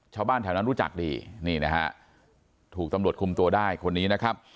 ชาวบ้านแถวนั้นรู้จักดีนี่นะฮะถูกตำรวจคุมตัวได้คนนี้นะครับ